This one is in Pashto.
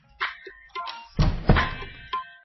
په قلم لیکنه کول د علمي فقر د له منځه وړلو وسیله ده.